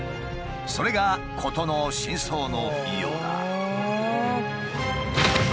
それが事の真相のようだ。